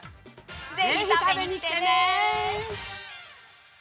ぜひ食べに来てね！